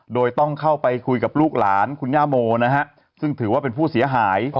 โดยต้องเข้าไปคุยกับลูกหลานคุณย่าโมนะฮะซึ่งถือว่าเป็นผู้เสียหาย